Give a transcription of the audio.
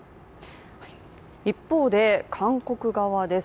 一方で韓国側です。